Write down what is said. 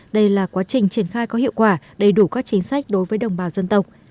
đây là quá trình triển khai có hiệu quả đầy đủ các chính sách đối với đồng bào dân tộc